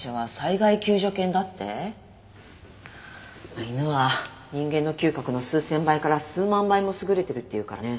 まあ犬は人間の嗅覚の数千倍から数万倍も優れてるっていうからね。